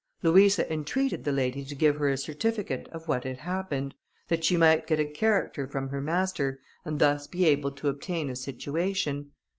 Louisa entreated the lady to give her a certificate of what had happened, that she might get a character from her master, and thus be able to obtain a situation.